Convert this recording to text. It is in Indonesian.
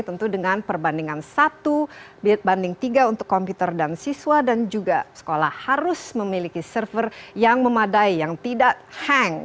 tentu dengan perbandingan satu banding tiga untuk komputer dan siswa dan juga sekolah harus memiliki server yang memadai yang tidak hang